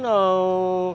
cái dấu ấn